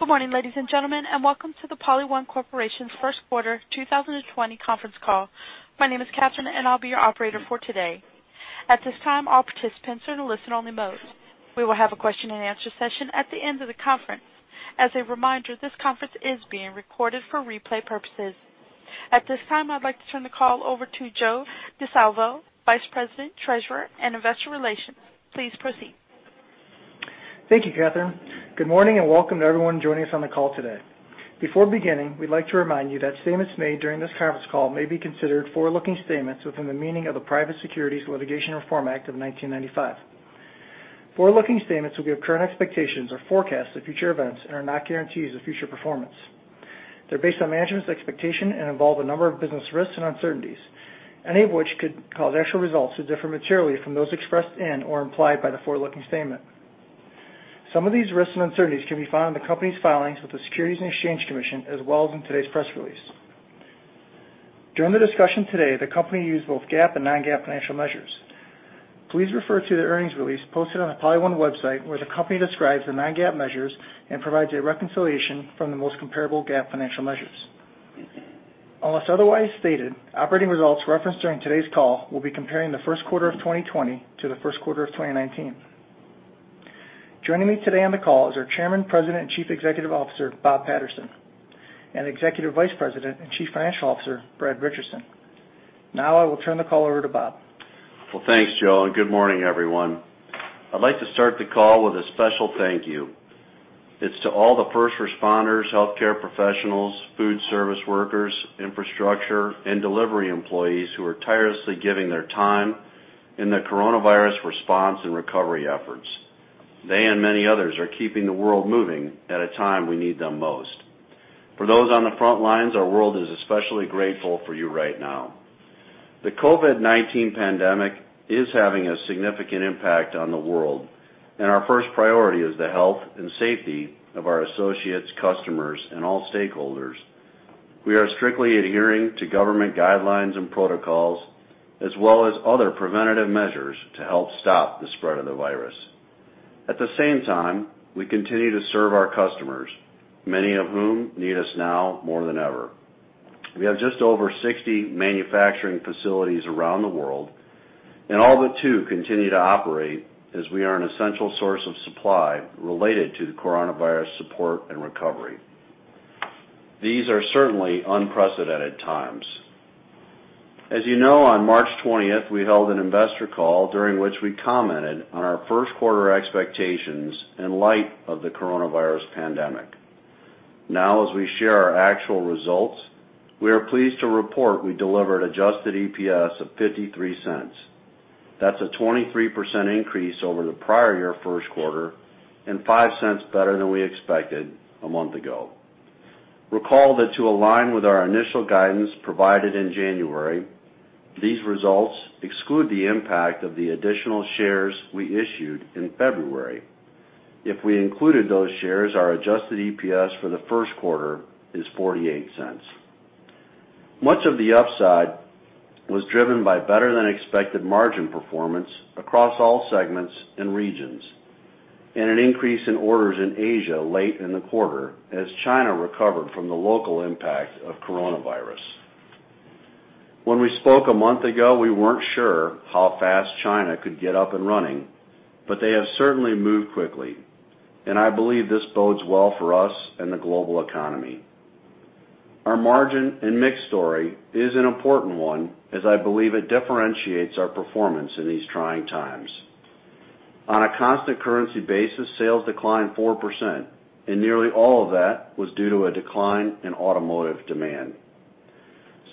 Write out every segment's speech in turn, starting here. Good morning, ladies and gentlemen, and welcome to the PolyOne Corporation's first quarter 2020 conference call. My name is Catherine, and I'll be your operator for today. At this time, all participants are in a listen-only mode. We will have a question and answer session at the end of the conference. As a reminder, this conference is being recorded for replay purposes. At this time, I'd like to turn the call over to Joe Di Salvo, Vice President, Treasurer, and Investor Relations. Please proceed. Thank you, Catherine. Good morning and welcome to everyone joining us on the call today. Before beginning, we'd like to remind you that statements made during this conference call may be considered forward-looking statements within the meaning of the Private Securities Litigation Reform Act of 1995. Forward-looking statements will give current expectations or forecasts of future events and are not guarantees of future performance. They're based on management's expectation and involve a number of business risks and uncertainties, any of which could cause actual results to differ materially from those expressed in or implied by the forward-looking statement. Some of these risks and uncertainties can be found in the company's filings with the Securities and Exchange Commission, as well as in today's press release. During the discussion today, the company used both GAAP and non-GAAP financial measures. Please refer to the earnings release posted on the PolyOne Corporation website, where the company describes the non-GAAP measures and provides a reconciliation from the most comparable GAAP financial measures. Unless otherwise stated, operating results referenced during today's call will be comparing the first quarter of 2020 to the first quarter of 2019. Joining me today on the call is our Chairman, President, and Chief Executive Officer, Bob Patterson, and Executive Vice President and Chief Financial Officer, Brad Richardson. I will turn the call over to Bob. Well, thanks, Joe, and good morning, everyone. I'd like to start the call with a special thank you. It's to all the first responders, healthcare professionals, food service workers, infrastructure, and delivery employees who are tirelessly giving their time in the coronavirus response and recovery efforts. They and many others are keeping the world moving at a time we need them most. For those on the front lines, our world is especially grateful for you right now. The COVID-19 pandemic is having a significant impact on the world, and our first priority is the health and safety of our associates, customers, and all stakeholders. We are strictly adhering to government guidelines and protocols, as well as other preventative measures to help stop the spread of the virus. At the same time, we continue to serve our customers, many of whom need us now more than ever. We have just over 60 manufacturing facilities around the world, and all but two continue to operate as we are an essential source of supply related to the coronavirus support and recovery. These are certainly unprecedented times. As you know, on March 20th, we held an investor call during which we commented on our first quarter expectations in light of the coronavirus pandemic. As we share our actual results, we are pleased to report we delivered adjusted EPS of $0.53. That's a 23% increase over the prior year first quarter and $0.05 better than we expected a month ago. Recall that to align with our initial guidance provided in January, these results exclude the impact of the additional shares we issued in February. If we included those shares, our adjusted EPS for the first quarter is $0.48. Much of the upside was driven by better-than-expected margin performance across all segments and regions and an increase in orders in Asia late in the quarter as China recovered from the local impact of COVID-19. When we spoke a month ago, we weren't sure how fast China could get up and running, but they have certainly moved quickly, and I believe this bodes well for us and the global economy. Our margin and mix story is an important one as I believe it differentiates our performance in these trying times. On a constant currency basis, sales declined 4%, and nearly all of that was due to a decline in automotive demand.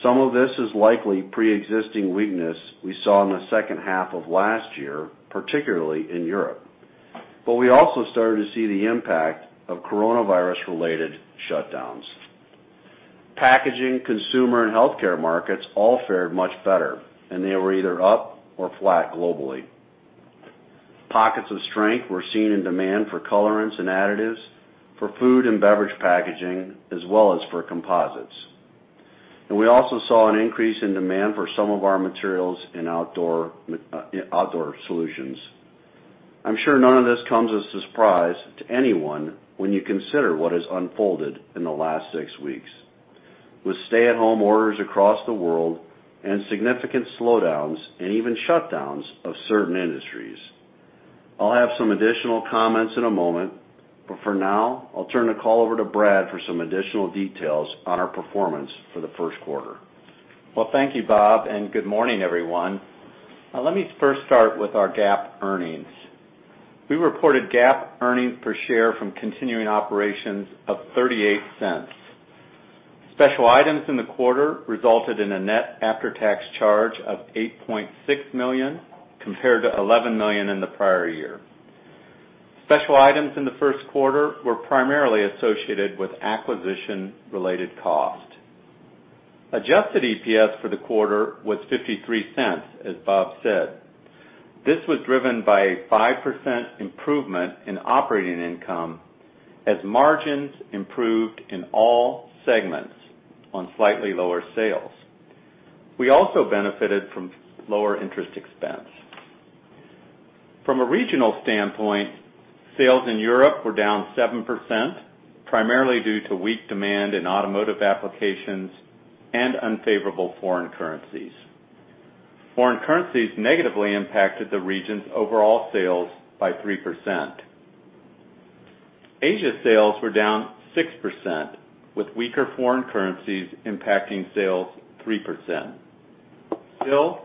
Some of this is likely preexisting weakness we saw in the second half of last year, particularly in Europe. We also started to see the impact of COVID-19-related shutdowns. Packaging, consumer, and healthcare markets all fared much better, and they were either up or flat globally. Pockets of strength were seen in demand for colorants and additives, for food and beverage packaging, as well as for composites. We also saw an increase in demand for some of our materials in outdoor solutions. I'm sure none of this comes as a surprise to anyone when you consider what has unfolded in the last six weeks with stay-at-home orders across the world and significant slowdowns and even shutdowns of certain industries. I'll have some additional comments in a moment, but for now, I'll turn the call over to Brad for some additional details on our performance for the first quarter. Well, thank you, Bob, and good morning, everyone. Let me first start with our GAAP earnings. We reported GAAP earnings per share from continuing operations of $0.38. Special items in the quarter resulted in a net after-tax charge of $8.6 million compared to $11 million in the prior year. Special items in the first quarter were primarily associated with acquisition-related cost. Adjusted EPS for the quarter was $0.53, as Bob said. This was driven by a 5% improvement in operating income as margins improved in all segments on slightly lower sales. We also benefited from lower interest expense. From a regional standpoint, sales in Europe were down 7%, primarily due to weak demand in automotive applications and unfavorable foreign currencies. Foreign currencies negatively impacted the region's overall sales by 3%. Asia sales were down 6%, with weaker foreign currencies impacting sales 3%. Still,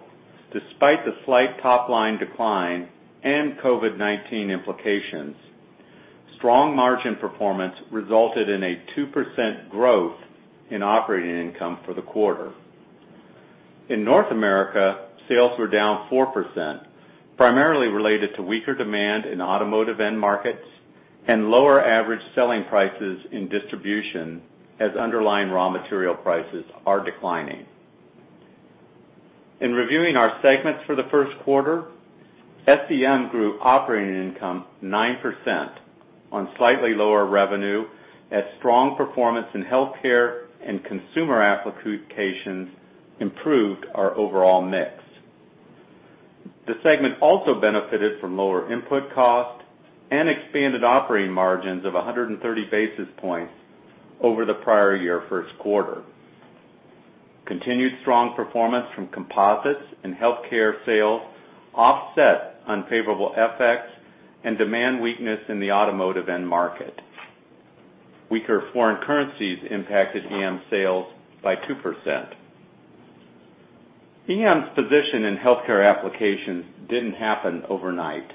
despite the slight top-line decline and COVID-19 implications, strong margin performance resulted in a 2% growth in operating income for the quarter. In North America, sales were down 4%, primarily related to weaker demand in automotive end markets and lower average selling prices in distribution as underlying raw material prices are declining. In reviewing our segments for the first quarter, SEM grew operating income 9% on slightly lower revenue as strong performance in healthcare and consumer applications improved our overall mix. The segment also benefited from lower input costs and expanded operating margins of 130 basis points over the prior year first quarter. Continued strong performance from composites and healthcare sales offset unfavorable FX and demand weakness in the automotive end market. Weaker foreign currencies impacted EM sales by 2%. EM's position in healthcare applications didn't happen overnight.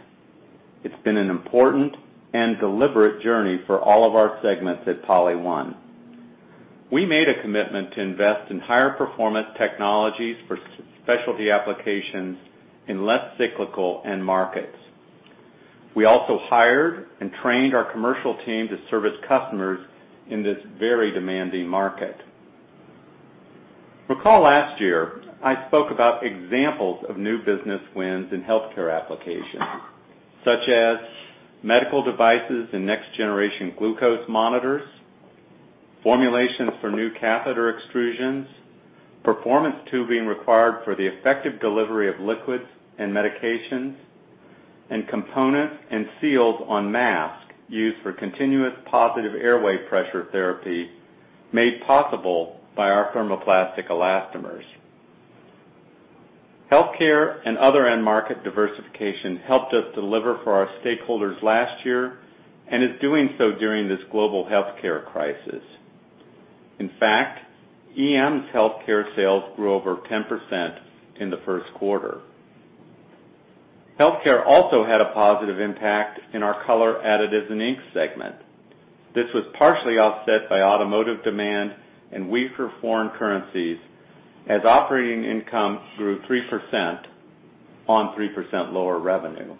It's been an important and deliberate journey for all of our segments at PolyOne Corporation. We made a commitment to invest in higher performance technologies for specialty applications in less cyclical end markets. We also hired and trained our commercial team to service customers in this very demanding market. Recall last year, I spoke about examples of new business wins in healthcare applications, such as medical devices and next-generation glucose monitors, formulations for new catheter extrusions, performance tubing required for the effective delivery of liquids and medications, and components and seals on masks used for continuous positive airway pressure therapy made possible by our thermoplastic elastomers. Healthcare and other end market diversification helped us deliver for our stakeholders last year and is doing so during this global healthcare crisis. In fact, EM's healthcare sales grew over 10% in the first quarter. Healthcare also had a positive impact in our Color Additives and Inks segment. This was partially offset by automotive demand and weaker foreign currencies as operating income grew 3% on 3% lower revenue.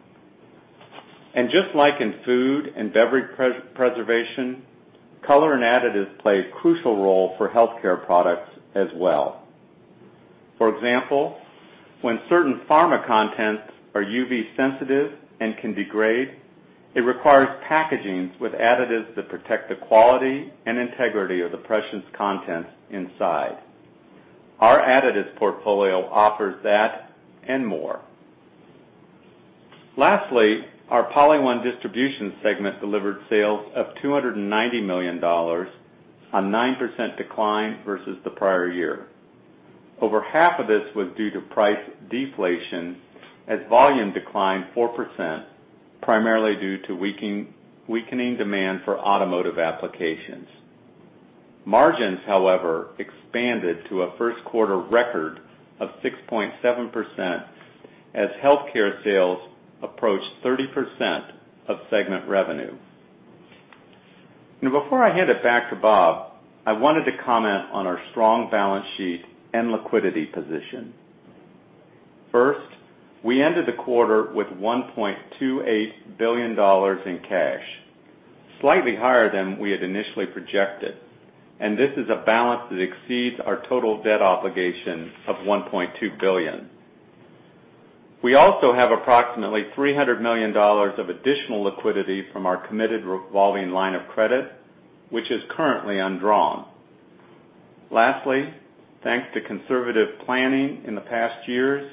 Just like in food and beverage preservation, color and additives play a crucial role for healthcare products as well. For example, when certain pharma contents are UV sensitive and can degrade, it requires packaging with additives to protect the quality and integrity of the precious contents inside. Our additives portfolio offers that and more. Lastly, our PolyOne Corporation Distribution segment delivered sales of $290 million, a 9% decline versus the prior year. Over half of this was due to price deflation as volume declined 4%, primarily due to weakening demand for automotive applications. Margins, however, expanded to a first quarter record of 6.7% as healthcare sales approached 30% of segment revenue. Before I hand it back to Bob, I wanted to comment on our strong balance sheet and liquidity position. First, we ended the quarter with $1.28 billion in cash, slightly higher than we had initially projected. This is a balance that exceeds our total debt obligation of $1.2 billion. We also have approximately $300 million of additional liquidity from our committed revolving line of credit, which is currently undrawn. Lastly, thanks to conservative planning in the past years,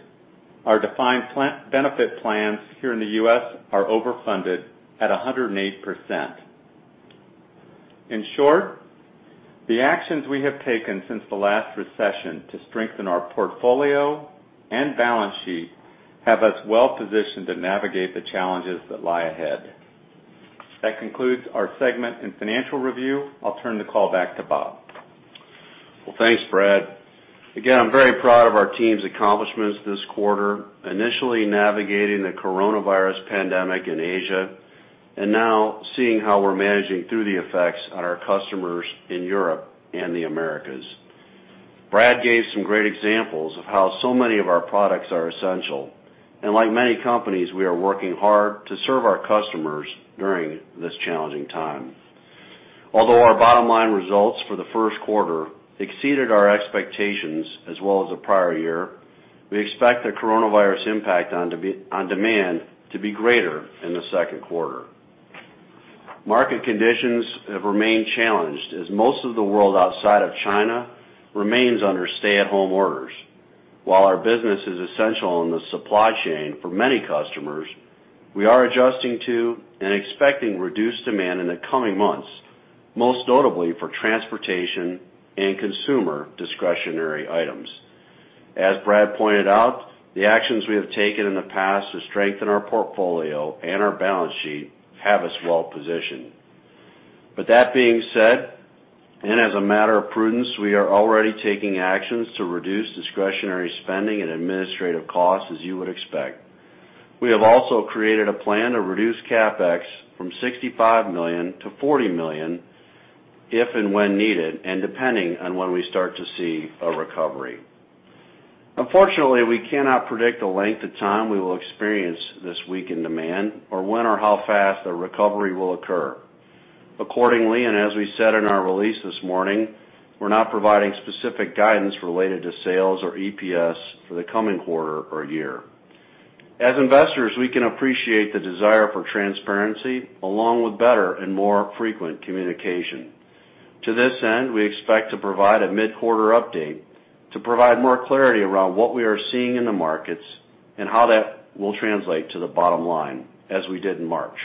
our defined benefit plans here in the U.S. are overfunded at 108%. In short, the actions we have taken since the last recession to strengthen our portfolio and balance sheet have us well positioned to navigate the challenges that lie ahead. That concludes our segment and financial review. I'll turn the call back to Bob. Well, thanks, Brad. Again, I'm very proud of our team's accomplishments this quarter, initially navigating the coronavirus pandemic in Asia, now seeing how we're managing through the effects on our customers in Europe and the Americas. Brad gave some great examples of how so many of our products are essential, like many companies, we are working hard to serve our customers during this challenging time. Although our bottom line results for the first quarter exceeded our expectations as well as the prior year, we expect the coronavirus impact on demand to be greater in the second quarter. Market conditions have remained challenged as most of the world outside of China remains under stay-at-home orders. While our business is essential in the supply chain for many customers, we are adjusting to and expecting reduced demand in the coming months, most notably for transportation and consumer discretionary items. As Brad pointed out, the actions we have taken in the past to strengthen our portfolio and our balance sheet have us well positioned. That being said, and as a matter of prudence, we are already taking actions to reduce discretionary spending and administrative costs as you would expect. We have also created a plan to reduce CapEx from $65 million-$40 million if and when needed, and depending on when we start to see a recovery. Unfortunately, we cannot predict the length of time we will experience this weakened demand or when or how fast a recovery will occur. Accordingly, and as we said in our release this morning, we're not providing specific guidance related to sales or EPS for the coming quarter or year. As investors, we can appreciate the desire for transparency along with better and more frequent communication. To this end, we expect to provide a mid-quarter update to provide more clarity around what we are seeing in the markets and how that will translate to the bottom line as we did in March.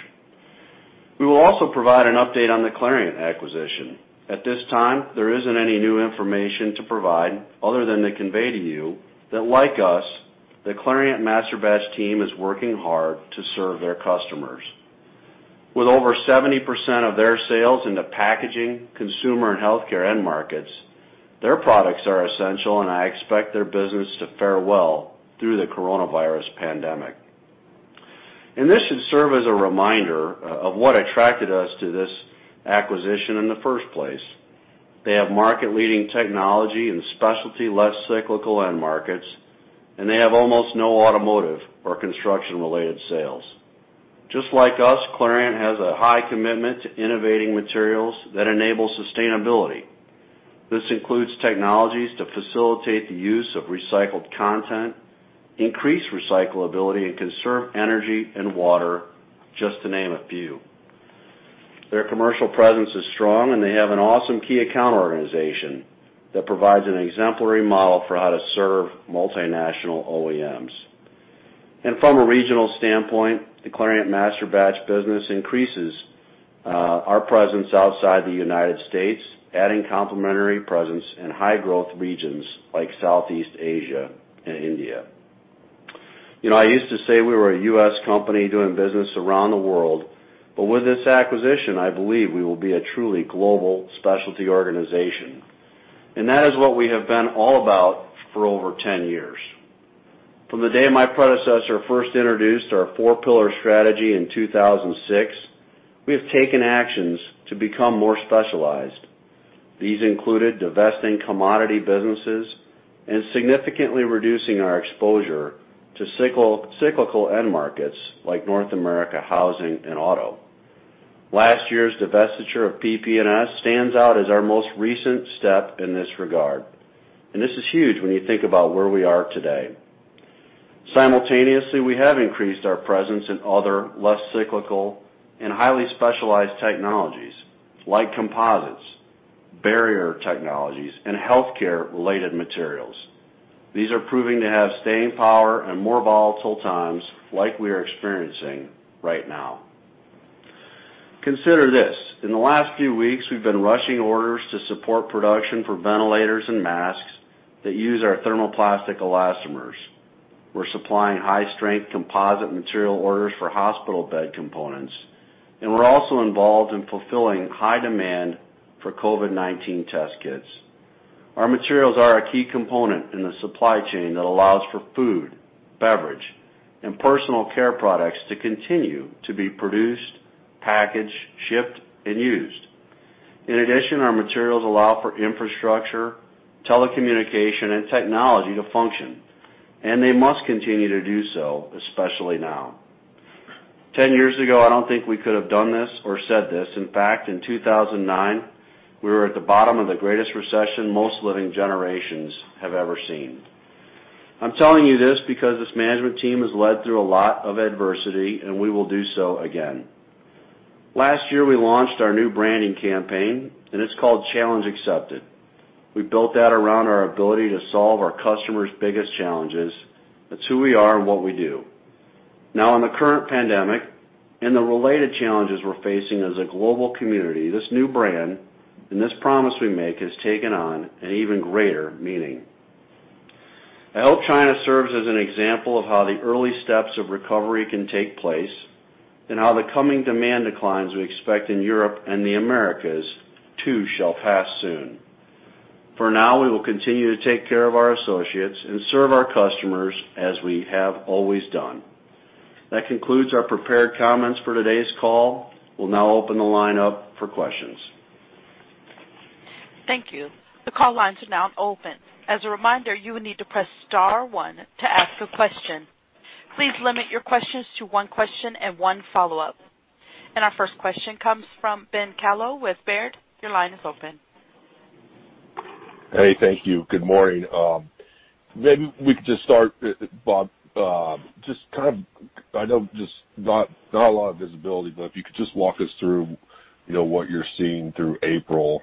We will also provide an update on the Clariant acquisition. At this time, there isn't any new information to provide other than to convey to you that, like us, the Clariant Masterbatch team is working hard to serve their customers. With over 70% of their sales in the packaging, consumer and healthcare end markets, their products are essential and I expect their business to fare well through the coronavirus pandemic. This should serve as a reminder of what attracted us to this acquisition in the first place. They have market leading technology in specialty less cyclical end markets, and they have almost no automotive or construction related sales. Just like us, Clariant has a high commitment to innovating materials that enable sustainability. This includes technologies to facilitate the use of recycled content, increase recyclability and conserve energy and water, just to name a few. Their commercial presence is strong and they have an awesome key account organization that provides an exemplary model for how to serve multinational OEMs. From a regional standpoint, the Clariant Masterbatch business increases our presence outside the United States, adding complementary presence in high growth regions like Southeast Asia and India. I used to say we were a US company doing business around the world, but with this acquisition, I believe we will be a truly global specialty organization. That is what we have been all about for over 10 years. From the day my predecessor first introduced our four pillar strategy in 2006, we have taken actions to become more specialized. These included divesting commodity businesses and significantly reducing our exposure to cyclical end markets like North America housing and auto. Last year's divestiture of PP&S stands out as our most recent step in this regard. This is huge when you think about where we are today. Simultaneously, we have increased our presence in other less cyclical and highly specialized technologies like composites, barrier technologies, and healthcare related materials. These are proving to have staying power in more volatile times like we are experiencing right now. Consider this, in the last few weeks, we've been rushing orders to support production for ventilators and masks that use our thermoplastic elastomers. We're supplying high strength composite material orders for hospital bed components, and we're also involved in fulfilling high demand for COVID-19 test kits. Our materials are a key component in the supply chain that allows for food, beverage, and personal care products to continue to be produced, packaged, shipped and used. In addition, our materials allow for infrastructure, telecommunication and technology to function, and they must continue to do so, especially now. 10 years ago, I don't think we could have done this or said this. In fact, in 2009, we were at the bottom of the greatest recession most living generations have ever seen. I'm telling you this because this management team has led through a lot of adversity, and we will do so again. Last year, we launched our new branding campaign, and it's called Challenge Accepted. We built that around our ability to solve our customers' biggest challenges. That's who we are and what we do. Now in the current pandemic and the related challenges we're facing as a global community, this new brand and this promise we make has taken on an even greater meaning. I hope China serves as an example of how the early steps of recovery can take place and how the coming demand declines we expect in Europe and the Americas too shall pass soon. For now, we will continue to take care of our associates and serve our customers as we have always done. That concludes our prepared comments for today's call. We will now open the line up for questions. Thank you. The call lines are now open. As a reminder, you will need to press star one to ask a question. Please limit your questions to one question and one follow-up. Our first question comes from Ben Kallo with Baird. Your line is open. Hey, thank you. Good morning. Maybe we could just start, Bob, I know just not a lot of visibility, but if you could just walk us through what you're seeing through April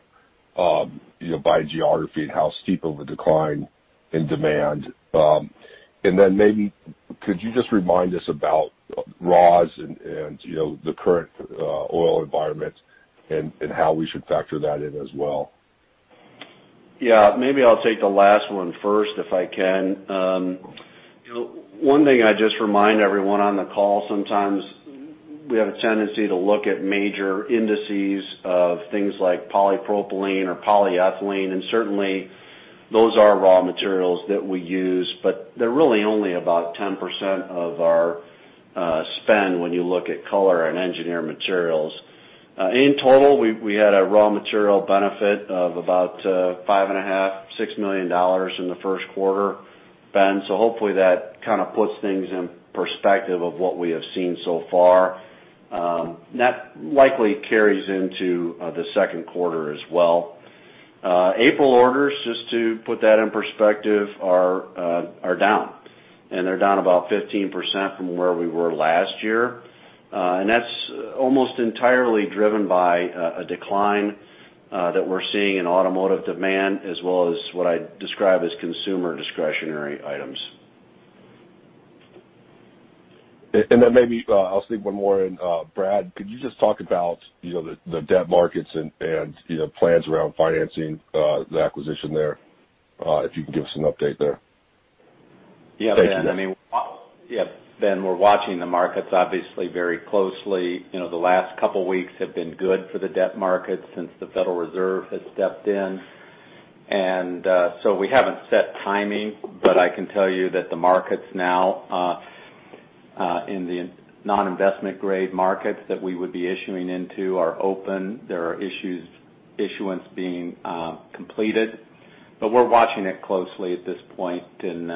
by geography and how steep of a decline in demand. Then maybe could you just remind us about raws and the current oil environment and how we should factor that in as well? Yeah. Maybe I'll take the last one first if I can. One thing I just remind everyone on the call, sometimes we have a tendency to look at major indices of things like polypropylene or polyethylene, and certainly those are raw materials that we use, but they're really only about 10% of our spend when you look at color and engineered materials. In total, we had a raw material benefit of about $5.5 million-$6 million in the first quarter, Ben, so hopefully that kind of puts things in perspective of what we have seen so far. That likely carries into the second quarter as well. April orders, just to put that in perspective, are down, they're down about 15% from where we were last year. That's almost entirely driven by a decline that we're seeing in automotive demand as well as what I describe as consumer discretionary items. Then maybe I'll sneak one more in. Brad, could you just talk about the debt markets and plans around financing the acquisition there? If you can give us an update there. Yeah. Thank you. Yeah, Ben, we're watching the markets obviously very closely. The last couple of weeks have been good for the debt markets since the Federal Reserve has stepped in. We haven't set timing, but I can tell you that the markets now in the non-investment grade markets that we would be issuing into are open. There are issuance being completed. We're watching it closely at this point, and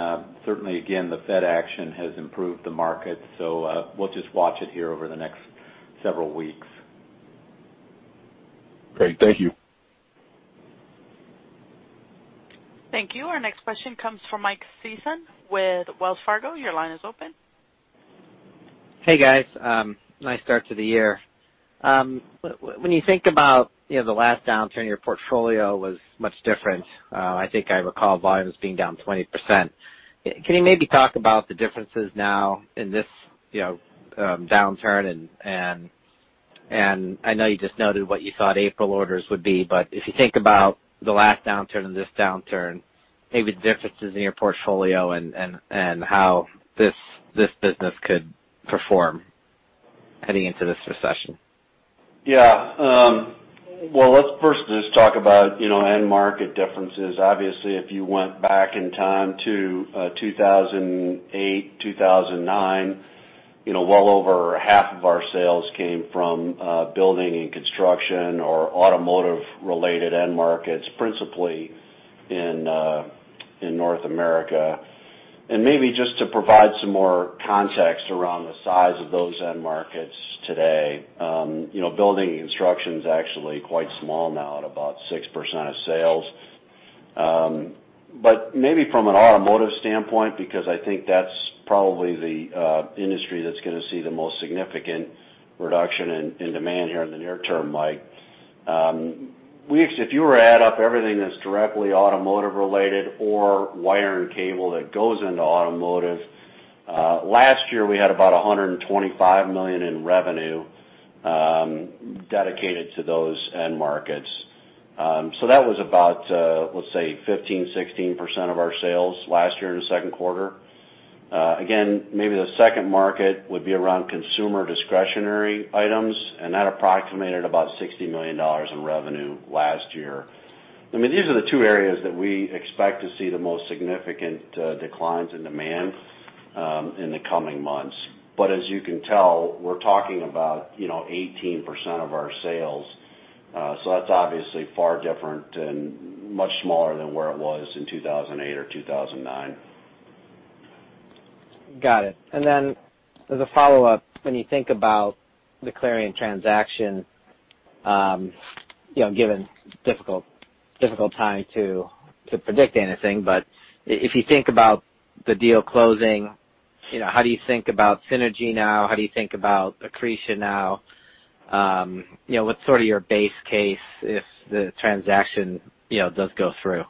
certainly, again, the Fed action has improved the market. We'll just watch it here over the next several weeks. Great. Thank you. Thank you. Our next question comes from Mike Sison with Wells Fargo. Your line is open. Hey, guys. Nice start to the year. When you think about the last downturn, your portfolio was much different. I think I recall volumes being down 20%. Can you maybe talk about the differences now in this downturn? I know you just noted what you thought April orders would be, if you think about the last downturn and this downturn, maybe the differences in your portfolio and how this business could perform heading into this recession? Let's first just talk about end market differences. Obviously, if you went back in time to 2008, 2009, well over half of our sales came from building and construction or automotive related end markets, principally in North America. Maybe just to provide some more context around the size of those end markets today, building and construction is actually quite small now at about 6% of sales. Maybe from an automotive standpoint, because I think that's probably the industry that's going to see the most significant reduction in demand here in the near term, Mike. If you were to add up everything that's directly automotive related or wire and cable that goes into automotive, last year we had about $125 million in revenue dedicated to those end markets. That was about, let's say, 15%-16% of our sales last year in the second quarter. Again, maybe the second market would be around consumer discretionary items, and that approximated about $60 million in revenue last year. These are the two areas that we expect to see the most significant declines in demand in the coming months. As you can tell, we're talking about 18% of our sales. That's obviously far different and much smaller than where it was in 2008 or 2009. Got it. Then as a follow-up, when you think about the Clariant transaction, given difficult time to predict anything, but if you think about the deal closing, how do you think about synergy now? How do you think about accretion now? What's sort of your base case if the transaction does go through?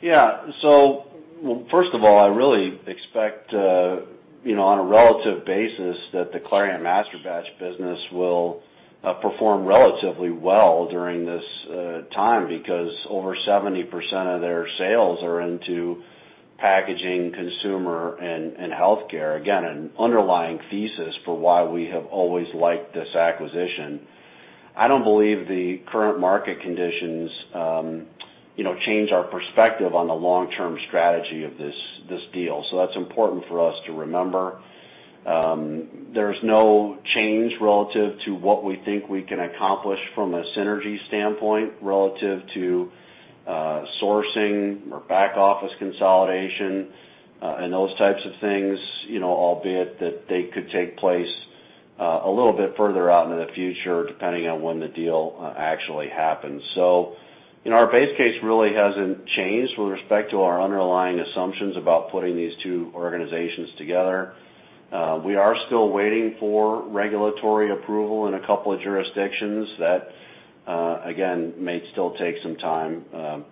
Yeah. First of all, I really expect on a relative basis that the Clariant Masterbatch business will perform relatively well during this time because over 70% of their sales are into packaging, consumer, and healthcare. Again, an underlying thesis for why we have always liked this acquisition. I don't believe the current market conditions change our perspective on the long-term strategy of this deal. That's important for us to remember. There's no change relative to what we think we can accomplish from a synergy standpoint relative to sourcing or back office consolidation, and those types of things, albeit that they could take place a little bit further out into the future, depending on when the deal actually happens. Our base case really hasn't changed with respect to our underlying assumptions about putting these two organizations together. We are still waiting for regulatory approval in a couple of jurisdictions. That, again, may still take some time,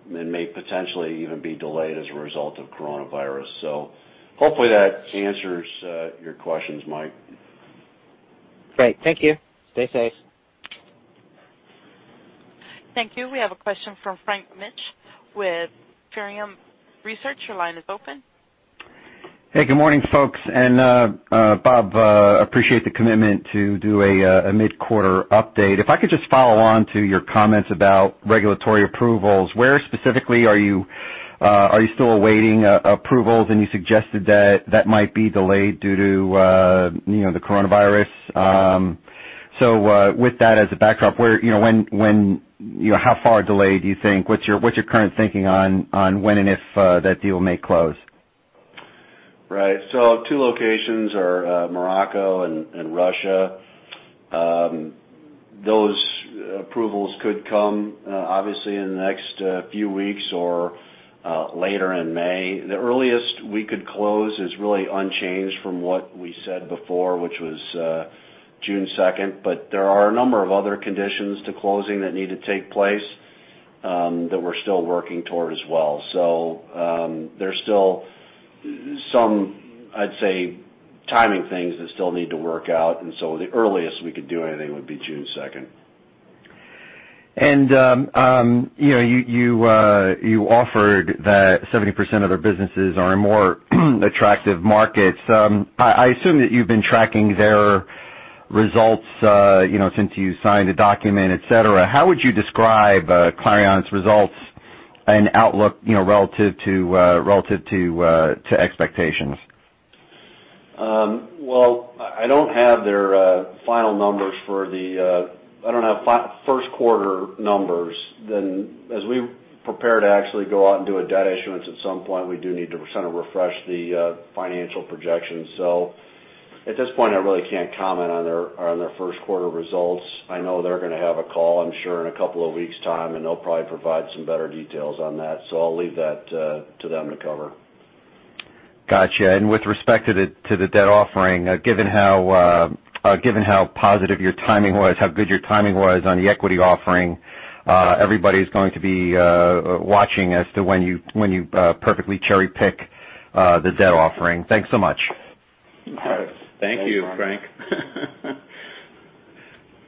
and may potentially even be delayed as a result of coronavirus. Hopefully that answers your questions, Mike. Great. Thank you. Stay safe. Thank you. We have a question from Frank Mitsch with Fermium Research. Your line is open. Hey, good morning, folks. Bob, appreciate the commitment to do a mid-quarter update. If I could just follow on to your comments about regulatory approvals, where specifically are you still awaiting approvals? You suggested that might be delayed due to the coronavirus. With that as a backdrop, how far delayed do you think? What's your current thinking on when and if that deal may close? Right. Two locations are Morocco and Russia. Those approvals could come, obviously, in the next few weeks or later in May. The earliest we could close is really unchanged from what we said before, which was June 2nd. There are a number of other conditions to closing that need to take place that we're still working toward as well. There's still some, I'd say, timing things that still need to work out. The earliest we could do anything would be June 2nd. You offered that 70% of their businesses are in more attractive markets. I assume that you've been tracking their results since you signed a document, et cetera. How would you describe Clariant's results and outlook relative to expectations? Well, I don't have their final numbers. I don't have first quarter numbers. As we prepare to actually go out and do a debt issuance at some point, we do need to kind of refresh the financial projections. At this point, I really can't comment on their first quarter results. I know they're going to have a call, I'm sure, in a couple of weeks' time, and they'll probably provide some better details on that. I'll leave that to them to cover. Got you. With respect to the debt offering, given how positive your timing was, how good your timing was on the equity offering, everybody's going to be watching as to when you perfectly cherry-pick the debt offering. Thanks so much. All right. Thank you, Frank.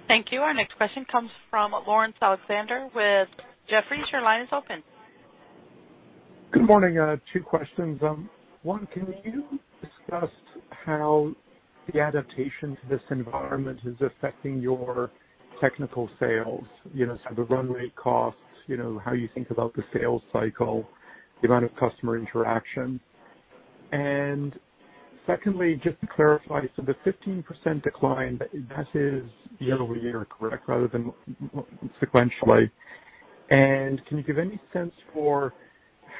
Thank you. Our next question comes from Laurence Alexander with Jefferies. Your line is open. Good morning. Two questions. One, can you discuss how the adaptation to this environment is affecting your technical sales? Sort of the run rate costs, how you think about the sales cycle, the amount of customer interaction. Secondly, just to clarify, the 15% decline, that is year-over-year correct, rather than sequentially? Can you give any sense for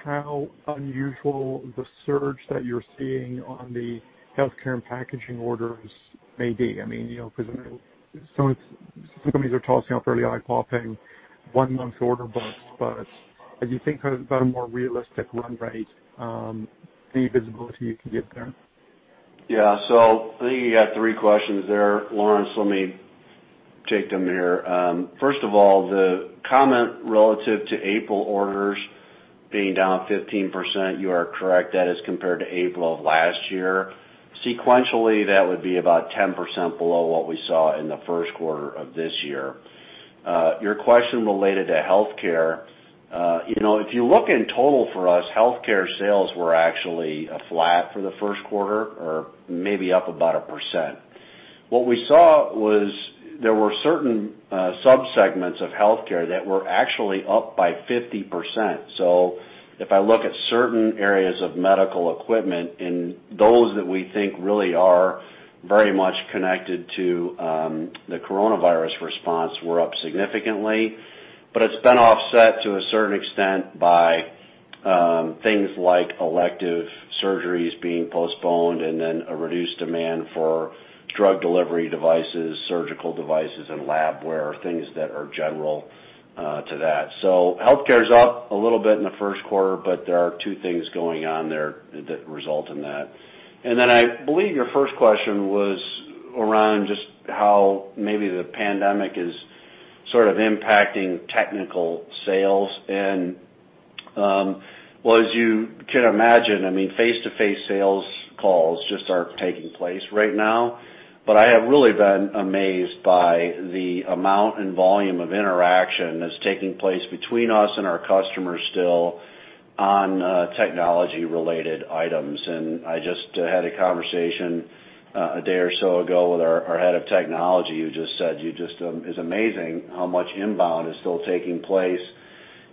how unusual the surge that you're seeing on the healthcare and packaging orders may be? I mean, because some companies are tossing out fairly eye-popping one-month order books. As you think about a more realistic run rate, any visibility you can give there? Yeah. I think you got three questions there, Laurence. Let me take them here. First of all, the comment relative to April orders being down 15%, you are correct. That is compared to April of last year. Sequentially, that would be about 10% below what we saw in the first quarter of this year. Your question related to healthcare. If you look in total for us, healthcare sales were actually flat for the first quarter or maybe up about 1%. What we saw was there were certain subsegments of healthcare that were actually up by 50%. If I look at certain areas of medical equipment, and those that we think really are very much connected to the COVID-19 response were up significantly. It's been offset to a certain extent by things like elective surgeries being postponed and then a reduced demand for drug delivery devices, surgical devices, and labware, things that are general to that. Healthcare's up a little bit in the first quarter, but there are two things going on there that result in that. Then I believe your first question was around just how maybe the pandemic is sort of impacting technical sales. Well, as you can imagine, face-to-face sales calls just aren't taking place right now. I have really been amazed by the amount and volume of interaction that's taking place between us and our customers still on technology related items. I just had a conversation a day or so ago with our head of technology, who just said, "It's amazing how much inbound is still taking place."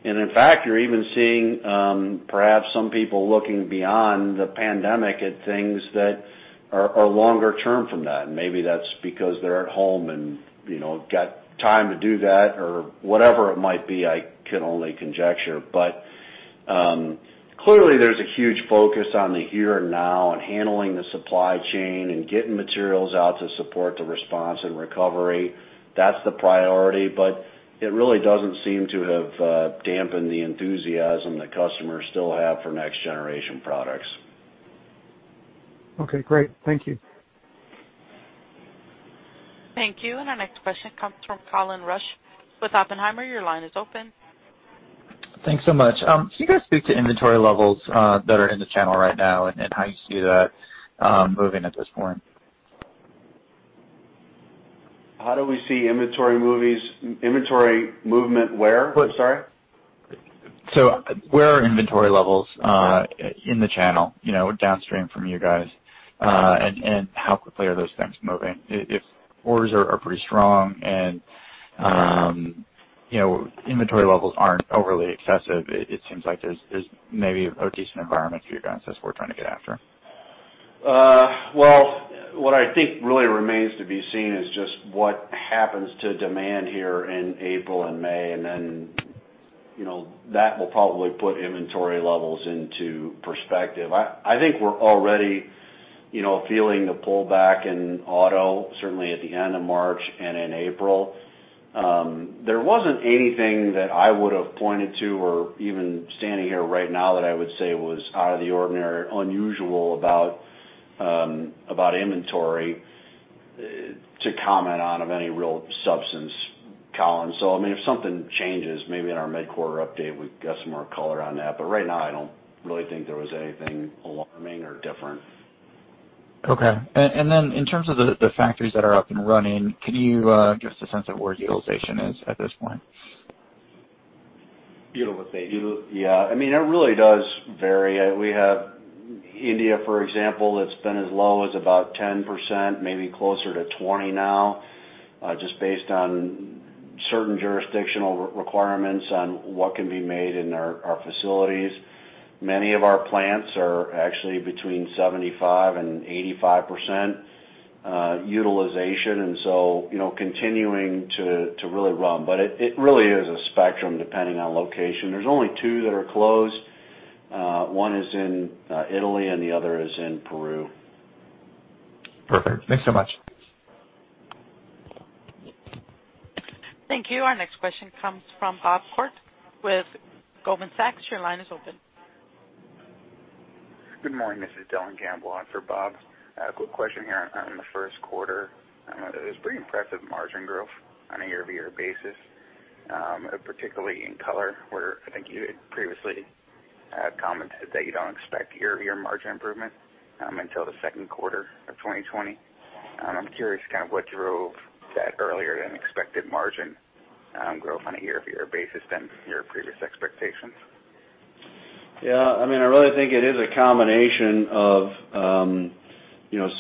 In fact, you're even seeing perhaps some people looking beyond the pandemic at things that are longer term from that. Maybe that's because they're at home and got time to do that or whatever it might be, I can only conjecture. Clearly there's a huge focus on the here and now and handling the supply chain and getting materials out to support the response and recovery. That's the priority. It really doesn't seem to have dampened the enthusiasm that customers still have for next generation products. Okay, great. Thank you. Thank you. Our next question comes from Colin Rusch with Oppenheimer. Your line is open. Thanks so much. Can you guys speak to inventory levels that are in the channel right now and how you see that moving at this point? How do we see inventory movement where? I'm sorry. Where are inventory levels in the channel, downstream from you guys? How quickly are those things moving? If orders are pretty strong and inventory levels aren't overly excessive, it seems like there's maybe a decent environment for your guys's work trying to get after. Well, what I think really remains to be seen is just what happens to demand here in April and May. That will probably put inventory levels into perspective. I think we're already feeling the pullback in auto, certainly at the end of March and in April. There wasn't anything that I would've pointed to or even standing here right now that I would say was out of the ordinary or unusual about inventory to comment on of any real substance, Colin. If something changes, maybe in our mid-quarter update, we've got some more color on that. Right now, I don't really think there was anything alarming or different. Okay. In terms of the factories that are up and running, can you give us a sense of where utilization is at this point? Utilization. Yeah. It really does vary. We have India, for example, that's been as low as about 10%, maybe closer to 20% now, just based on certain jurisdictional requirements on what can be made in our facilities. Many of our plants are actually between 75% and 85% utilization, and so continuing to really run. It really is a spectrum depending on location. There's only two that are closed. One is in Italy and the other is in Peru. Perfect. Thanks so much. Thank you. Our next question comes from Bob Koort with Goldman Sachs. Your line is open. Good morning. This is Dylan Campbell on for Bob. A quick question here on the first quarter. It was pretty impressive margin growth on a year-over-year basis, particularly in color, where I think you had previously commented that you don't expect year-over-year margin improvement until the second quarter of 2020. I'm curious kind of what drove that earlier than expected margin growth on a year-over-year basis than your previous expectations. I really think it is a combination of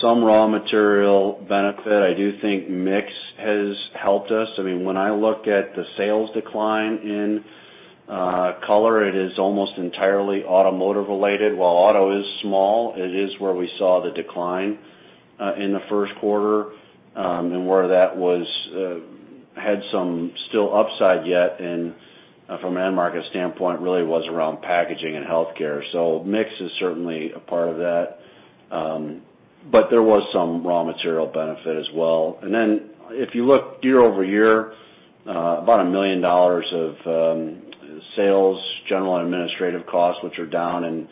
some raw material benefit. I do think mix has helped us. When I look at the sales decline in color, it is almost entirely automotive related. While auto is small, it is where we saw the decline in the first quarter. Where that had some still upside yet, and from an end market standpoint, really was around packaging and healthcare. Mix is certainly a part of that. There was some raw material benefit as well. Then if you look year-over-year, about $1 million of sales, general administrative costs, which are down, and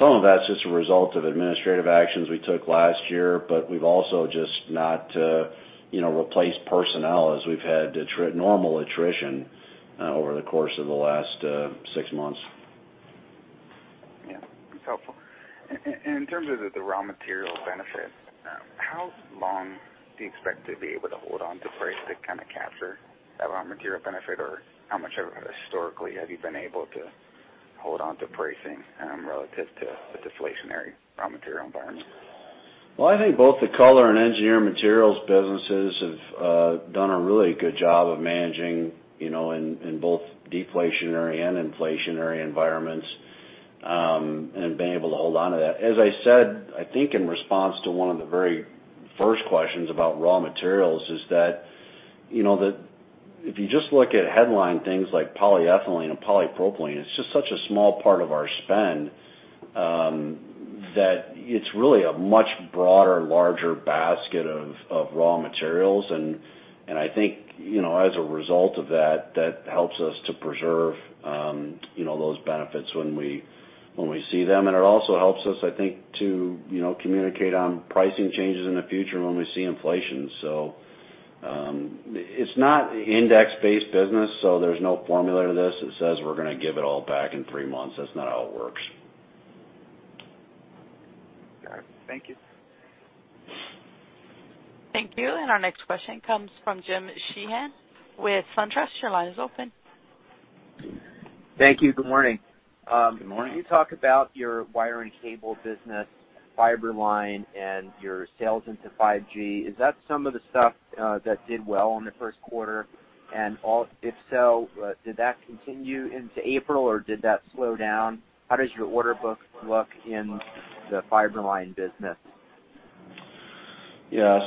some of that's just a result of administrative actions we took last year. We've also just not replaced personnel as we've had normal attrition over the course of the last six months. Yeah. That's helpful. In terms of the raw material benefit, how long do you expect to be able to hold onto price to kind of capture that raw material benefit? How much historically have you been able to hold onto pricing relative to the deflationary raw material environment? Well, I think both the color and engineering materials businesses have done a really good job of managing in both deflationary and inflationary environments, and been able to hold onto that. As I said, I think in response to one of the very first questions about raw materials, is that if you just look at headline things like polyethylene and polypropylene, it's just such a small part of our spend, that it's really a much broader, larger basket of raw materials. I think, as a result of that helps us to preserve those benefits when we see them. It also helps us, I think, to communicate on pricing changes in the future when we see inflation. It's not index-based business, so there's no formula to this that says we're going to give it all back in three months. That's not how it works. Got it. Thank you. Thank you. Our next question comes from Jim Sheehan with SunTrust. Your line is open. Thank you. Good morning. Good morning. Can you talk about your wire and cable business, Fiber-Line, and your sales into 5G? Is that some of the stuff that did well in the first quarter? If so, did that continue into April or did that slow down? How does your order book look in the Fiber-Line business? Yeah.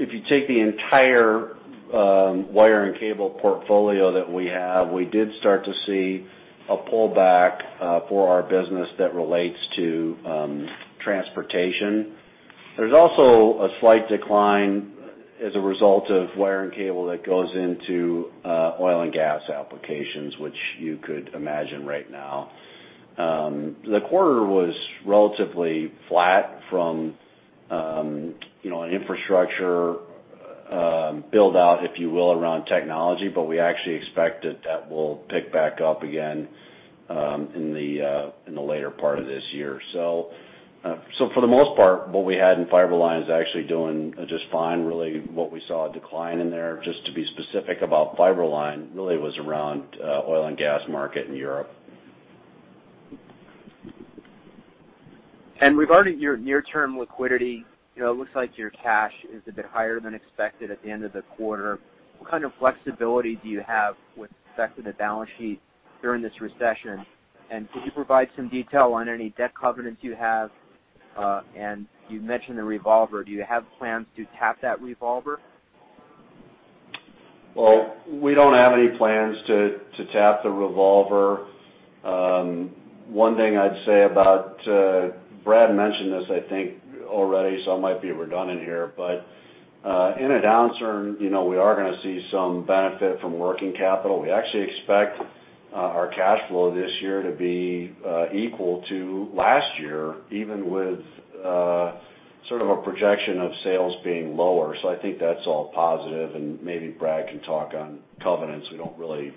If you take the entire wire and cable portfolio that we have, we did start to see a pullback for our business that relates to transportation. There's also a slight decline as a result of wire and cable that goes into oil and gas applications, which you could imagine right now. The quarter was relatively flat from an infrastructure build-out, if you will, around technology, but we actually expect that that will pick back up again in the later part of this year. For the most part, what we had in Fiber-Line is actually doing just fine. Really what we saw a decline in there, just to be specific about Fiber-Line, really was around oil and gas market in Europe. Regarding your near-term liquidity, it looks like your cash is a bit higher than expected at the end of the quarter. What kind of flexibility do you have with respect to the balance sheet during this recession? Could you provide some detail on any debt covenants you have? You mentioned the revolver. Do you have plans to tap that revolver? Well, we don't have any plans to tap the revolver. One thing I'd say about, Brad mentioned this, I think, already, so I might be redundant here. In a downturn, we are going to see some benefit from working capital. We actually expect our cash flow this year to be equal to last year, even with sort of a projection of sales being lower. I think that's all positive, and maybe Brad can talk on covenants. We don't really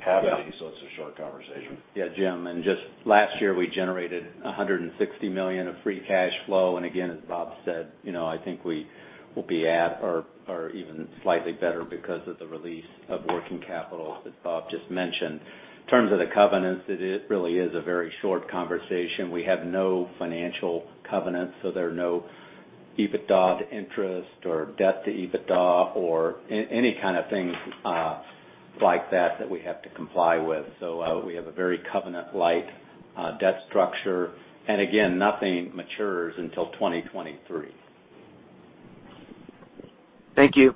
have any, so it's a short conversation. Yeah, Jim, just last year, we generated $160 million of free cash flow. Again, as Bob said, I think we will be at or even slightly better because of the release of working capital that Bob just mentioned. In terms of the covenants, it really is a very short conversation. We have no financial covenants, so there are no EBITDA to interest or debt to EBITDA or any kind of things like that that we have to comply with. We have a very covenant-light debt structure. Again, nothing matures until 2023. Thank you.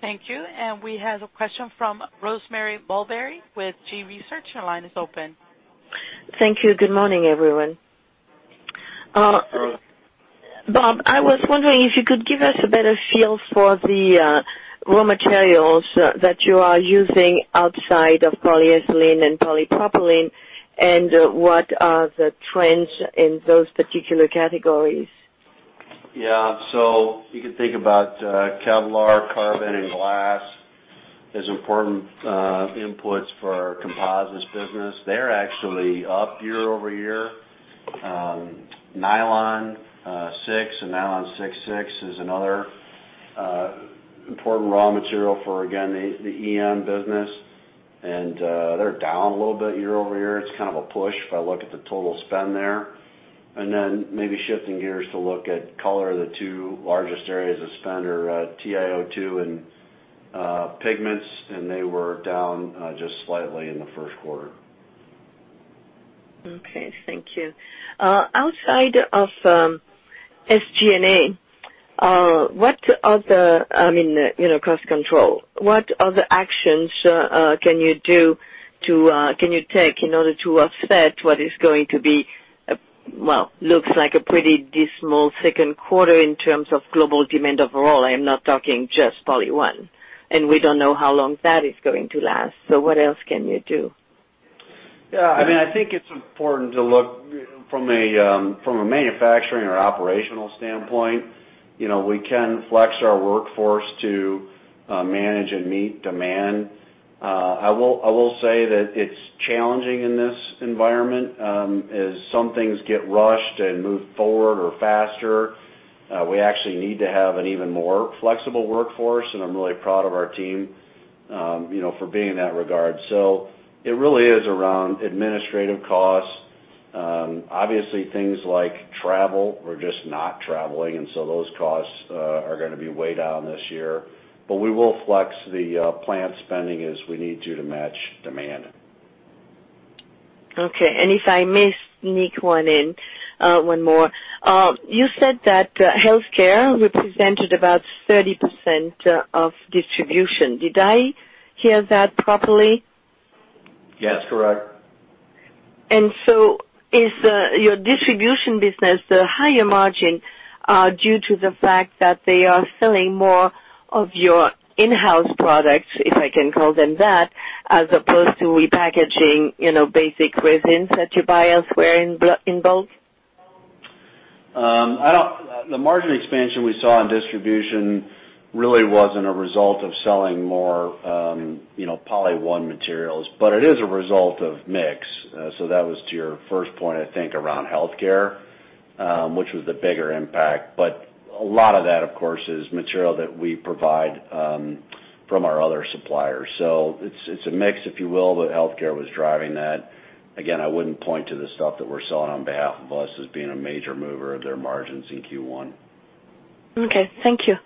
Thank you. We have a question from Rosemarie Morbelli with G. Research. Your line is open. Thank you. Good morning, everyone. Bob, I was wondering if you could give us a better feel for the raw materials that you are using outside of polyethylene and polypropylene, and what are the trends in those particular categories? Yeah. You can think about Kevlar, carbon, and glass as important inputs for our composites business. They're actually up year-over-year. Nylon 6 and Nylon 6/6 is another important raw material for, again, the EM business. They're down a little bit year-over-year. It's kind of a push if I look at the total spend there. Maybe shifting gears to look at color, the two largest areas of spend are TiO2 and pigments, and they were down just slightly in the first quarter. Okay. Thank you. Outside of SG&A, I mean, cost control, what other actions can you take in order to offset what is going to be, looks like a pretty dismal second quarter in terms of global demand overall? I am not talking just PolyOne Corporation. We don't know how long that is going to last, so what else can you do? Yeah, I think it's important to look from a manufacturing or operational standpoint. We can flex our workforce to manage and meet demand. I will say that it's challenging in this environment as some things get rushed and moved forward or faster. We actually need to have an even more flexible workforce, and I'm really proud of our team for being in that regard. It really is around administrative costs. Obviously things like travel, we're just not traveling, and so those costs are going to be way down this year. We will flex the plant spending as we need to to match demand. Okay. If I may sneak one in, one more. You said that healthcare represented about 30% of distribution. Did I hear that properly? Yes, correct. Is your Distribution business the higher margin due to the fact that they are selling more of your in-house products, if I can call them that, as opposed to repackaging basic resins that you buy elsewhere in bulk? The margin expansion we saw in distribution really wasn't a result of selling more PolyOne Corporation materials. It is a result of mix. That was to your first point, I think, around healthcare, which was the bigger impact. A lot of that, of course, is material that we provide from our other suppliers. It's a mix, if you will. Healthcare was driving that. Again, I wouldn't point to the stuff that we're selling on behalf of us as being a major mover of their margins in Q1. Okay. Thank you.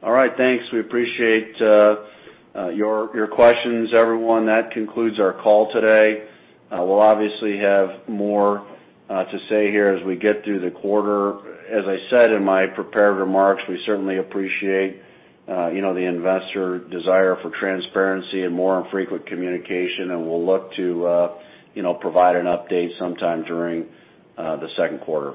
All right. Thanks. We appreciate your questions, everyone. That concludes our call today. We'll obviously have more to say here as we get through the quarter. As I said in my prepared remarks, we certainly appreciate the investor desire for transparency and more frequent communication, and we'll look to provide an update sometime during the second quarter.